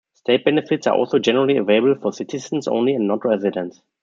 State benefits are also generally available for citizens only and not residents.